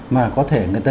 mà có thể người ta